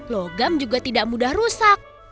logam juga tidak mudah rusak